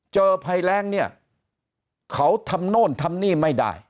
ภัยแรงเนี่ยเขาทำโน่นทำนี่ไม่ได้